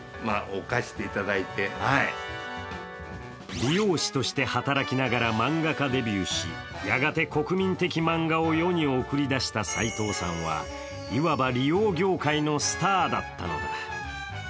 理容師として働きながら漫画家デビューしやがて国民的漫画を世に送り出したさいとうさんはいわば理容業界のスターだったのだ。